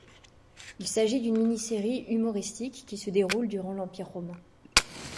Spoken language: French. Il s'agit d'une mini-série humoristique qui se déroule durant l'Empire romain.